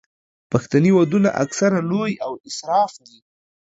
پښتني ودونه اکثره لوی او اسراف دي.